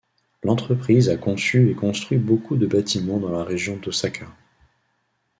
L'entreprise a conçu et construit beaucoup de bâtiments dans la région d'Osaka.